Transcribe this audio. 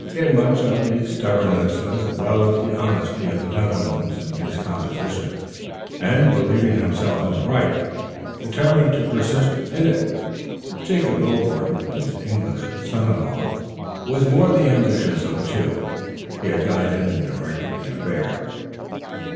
He had much of the stubbornness as well as honesty of the Netherlands in his composition, and believing himself in the right, determined to persist in it. Jacob Milborne, his English son in law, was the more ambitious of the two, and had guided and directed the affair.